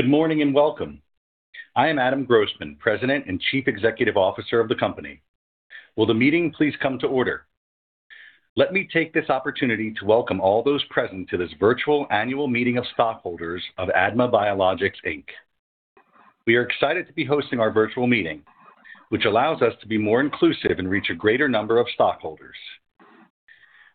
Good morning, and welcome. I am Adam Grossman, President and Chief Executive Officer of the company. Will the meeting please come to order? Let me take this opportunity to welcome all those present to this virtual Annual Meeting of Stockholders of ADMA Biologics Inc. We are excited to be hosting our virtual meeting, which allows us to be more inclusive and reach a greater number of stockholders.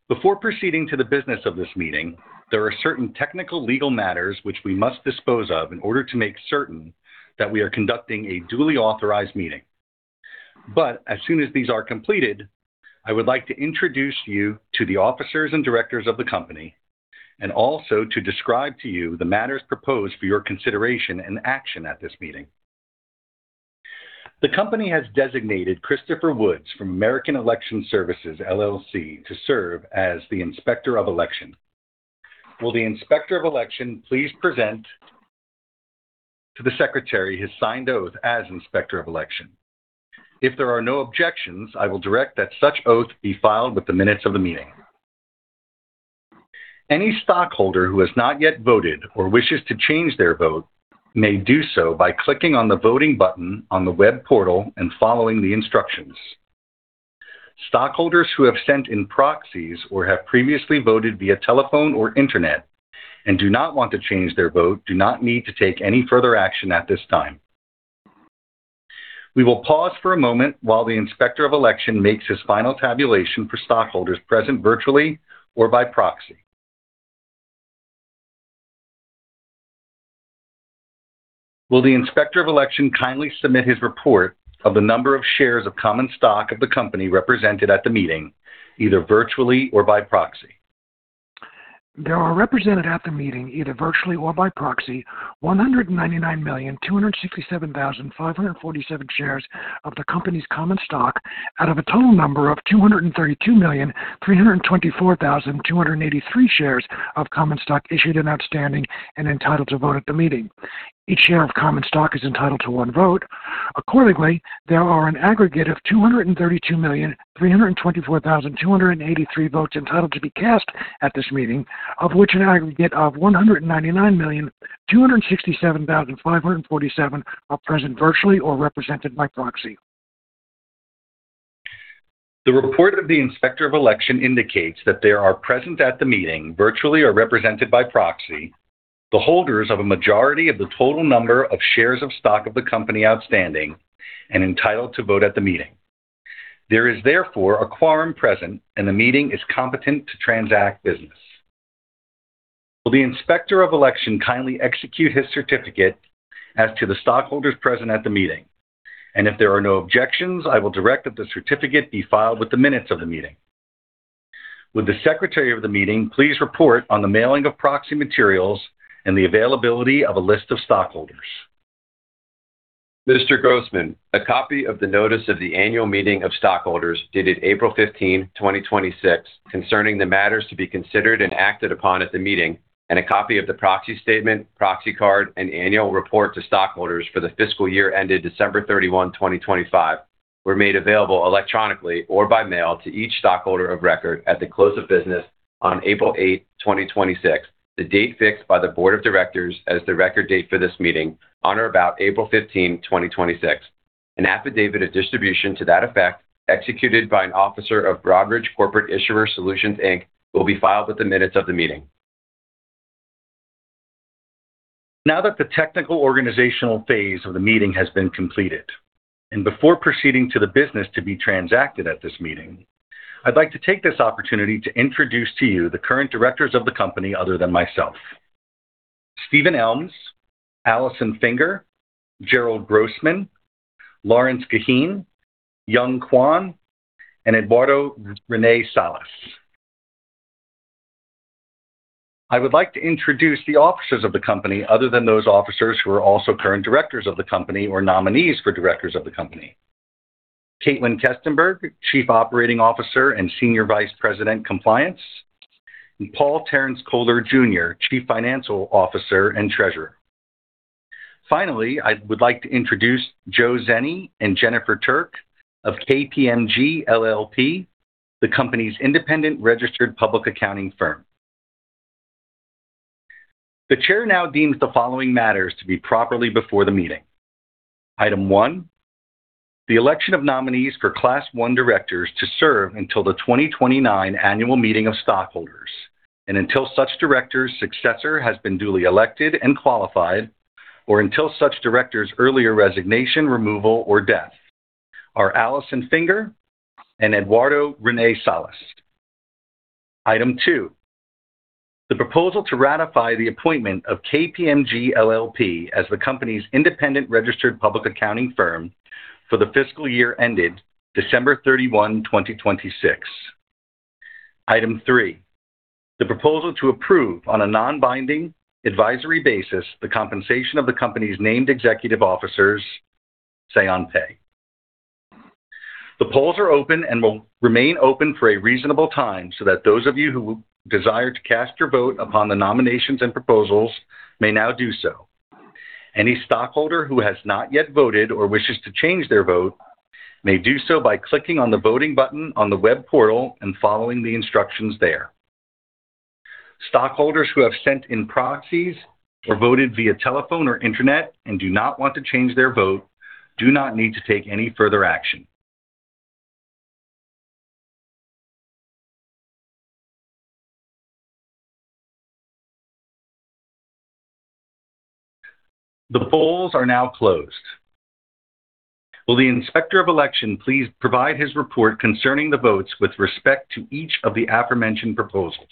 Before proceeding to the business of this meeting, there are certain technical legal matters which we must dispose of in order to make certain that we are conducting a duly authorized meeting. As soon as these are completed, I would like to introduce you to the officers and directors of the company, and also to describe to you the matters proposed for your consideration and action at this meeting. The company has designated Christopher Woods from American Election Services LLC to serve as the Inspector of Election. Will the Inspector of Election please present to the Secretary his signed oath as Inspector of Election? If there are no objections, I will direct that such oath be filed with the minutes of the meeting. Any stockholder who has not yet voted or wishes to change their vote may do so by clicking on the voting button on the web portal and following the instructions. Stockholders who have sent in proxies or have previously voted via telephone or internet and do not want to change their vote do not need to take any further action at this time. We will pause for a moment while the Inspector of Election makes his final tabulation for stockholders present virtually or by proxy. Will the Inspector of Election kindly submit his report of the number of shares of common stock of the company represented at the meeting, either virtually or by proxy? There are represented at the meeting, either virtually or by proxy, 199,267,547 shares of the company's common stock out of a total number of 232,324,283 shares of common stock issued and outstanding and entitled to vote at the meeting. Each share of common stock is entitled to one vote. Accordingly, there are an aggregate of 232,324,283 votes entitled to be cast at this meeting, of which an aggregate of 199,267,547 are present virtually or represented by proxy. The report of the Inspector of Election indicates that there are present at the meeting, virtually or represented by proxy, the holders of a majority of the total number of shares of stock of the company outstanding and entitled to vote at the meeting. There is therefore a quorum present, and the meeting is competent to transact business. Will the Inspector of Election kindly execute his certificate as to the stockholders present at the meeting? If there are no objections, I will direct that the certificate be filed with the minutes of the meeting. Would the Secretary of the meeting please report on the mailing of proxy materials and the availability of a list of stockholders? Mr. Grossman, a copy of the notice of the annual meeting of stockholders dated April 15, 2026, concerning the matters to be considered and acted upon at the meeting, and a copy of the proxy statement, proxy card, and annual report to stockholders for the fiscal year ended December 31, 2025, were made available electronically or by mail to each stockholder of record at the close of business on April 8, 2026, the date fixed by the Board of Directors as the record date for this meeting on or about April 15, 2026. An affidavit of distribution to that effect, executed by an officer of Broadridge Corporate Issuer Solutions, Inc, will be filed with the minutes of the meeting. Now that the technical organizational phase of the meeting has been completed, and before proceeding to the business to be transacted at this meeting, I'd like to take this opportunity to introduce to you the current directors of the company other than myself. Steven Elms, Alison Finger, Jerrold Grossman, Lawrence Guiheen, Young Kwon, and Eduardo Rene Salas. I would like to introduce the officers of the company other than those officers who are also current directors of the company or nominees for directors of the company. Kaitlin Kestenberg, Chief Operating Officer and Senior Vice President, Compliance, and Paul Terence Kohler Jr., Chief Financial Officer and Treasurer. Finally, I would like to introduce Joe Zeni and Jennifer Turk of KPMG LLP, the company's independent registered public accounting firm. The Chair now deems the following matters to be properly before the meeting. Item one, the election of nominees for Class I Directors to serve until the 2029 annual meeting of stockholders and until such director's successor has been duly elected and qualified, or until such director's earlier resignation, removal, or death are Alison Finger and Eduardo Rene Salas. Item two, the proposal to ratify the appointment of KPMG LLP as the company's independent registered public accounting firm for the fiscal year ended December 31, 2026. Item three, the proposal to approve on a non-binding advisory basis the compensation of the company's named executive officers' Say-on-Pay. The polls are open and will remain open for a reasonable time so that those of you who desire to cast your vote upon the nominations and proposals may now do so. Any stockholder who has not yet voted or wishes to change their vote may do so by clicking on the voting button on the web portal and following the instructions there. Stockholders who have sent in proxies or voted via telephone or internet and do not want to change their vote do not need to take any further action. The polls are now closed. Will the Inspector of Election please provide his report concerning the votes with respect to each of the aforementioned proposals?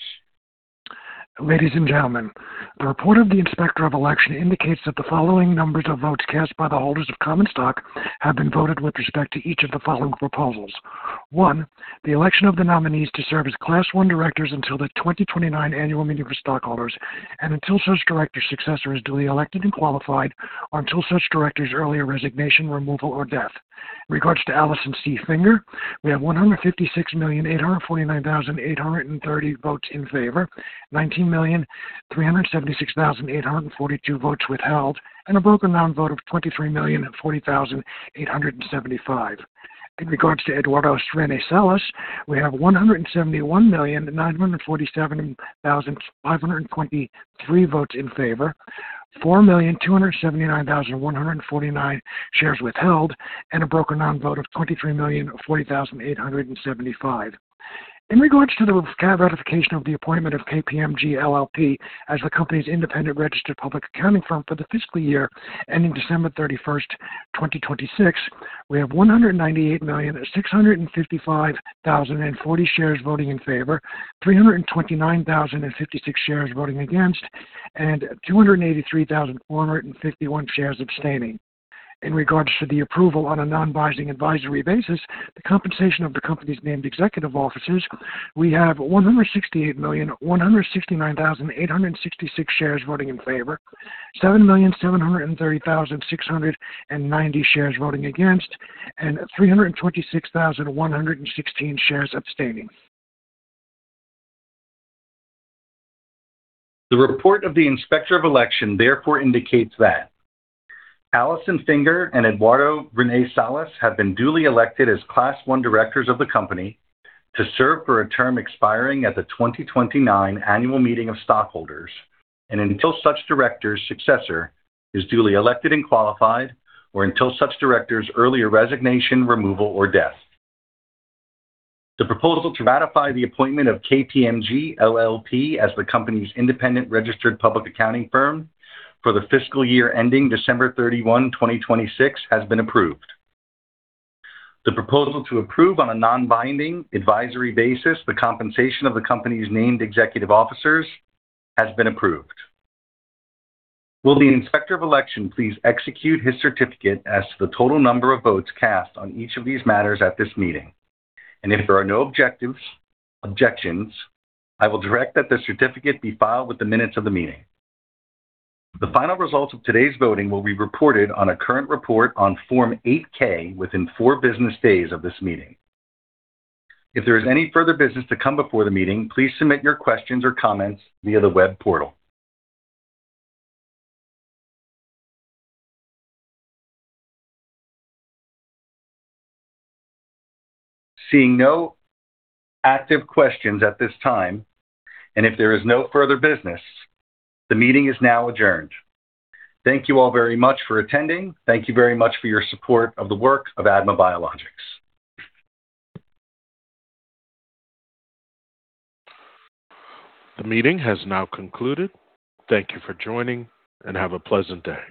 Ladies and gentlemen, the report of the Inspector of Election indicates that the following numbers of votes cast by the holders of common stock have been voted with respect to each of the following proposals. One, the election of the nominees to serve as Class I Directors until the 2029 annual meeting of stockholders and until such director's successor is duly elected and qualified, or until such director's earlier resignation, removal, or death. In regards to Alison C. Finger, we have 156,849,830 votes in favor, 19,376,842 votes withheld, and a broker non-vote of 23,040,875. In regards to Eduardo Rene Salas, we have 171,947,523 votes in favor, 4,279,149 shares withheld, and a broker non-vote of 23,040,875. In regards to the ratification of the appointment of KPMG LLP as the company's independent registered public accounting firm for the fiscal year ending December 31st, 2026, we have 198,655,040 shares voting in favor, 329,056 shares voting against, and 283,451 shares abstaining. In regards to the approval on a non-binding advisory basis, the compensation of the company's named executive officers, we have 168,169,866 shares voting in favor, 7,730,690 shares voting against, and 326,116 shares abstaining. The report of the Inspector of Election therefore indicates that Alison Finger and Eduardo Rene Salas have been duly elected as Class I Directors of the company to serve for a term expiring at the 2029 annual meeting of stockholders and until such director's successor is duly elected and qualified, or until such director's earlier resignation, removal, or death. The proposal to ratify the appointment of KPMG LLP as the company's independent registered public accounting firm for the fiscal year ending December 31, 2026, has been approved. The proposal to approve on a non-binding advisory basis the compensation of the company's named executive officers has been approved. Will the Inspector of Election please execute his certificate as to the total number of votes cast on each of these matters at this meeting? If there are no objections, I will direct that the certificate be filed with the minutes of the meeting. The final results of today's voting will be reported on a current report on Form 8-K within four business days of this meeting. If there is any further business to come before the meeting, please submit your questions or comments via the web portal. Seeing no active questions at this time, if there is no further business, the meeting is now adjourned. Thank you all very much for attending. Thank you very much for your support of the work of ADMA Biologics. The meeting has now concluded. Thank you for joining, and have a pleasant day.